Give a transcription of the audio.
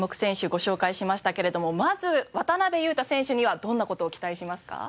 ご紹介しましたけれどもまず渡邊雄太選手にはどんな事を期待しますか？